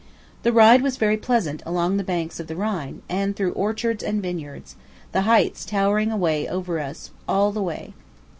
The ride was very pleasant along the banks of the Rhine, and through orchards and vineyards the heights towering away over us all the way.